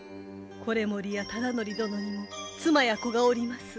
維盛や忠度殿にも妻や子がおります。